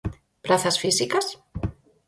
¿Prazas físicas?